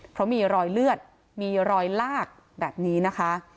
เพราะมีรอยเลือดมีรอยลากแบบนี้นะคะ